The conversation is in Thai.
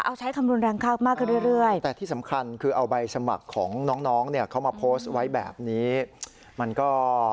เอาใช้คำรุนแรงค่ามากขึ้นเรื่อยแต่ที่สำคัญคือเอาใบสมัครของน้องน้องเนี่ยเขามาโพสต์ไว้แบบนี้มันก็